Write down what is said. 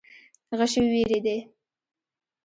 غشې وورېدې.